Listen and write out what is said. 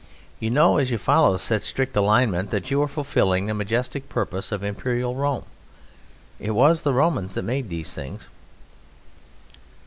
You know, as you follow such strict alignment, that you are fulfilling the majestic purpose of Imperial Rome. It was the Romans that made these things.